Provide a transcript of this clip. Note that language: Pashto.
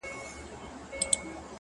o الوتني کوي ـ